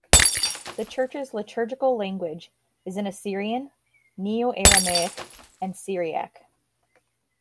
The church's liturgical language is in Assyrian Neo-Aramaic and Syriac.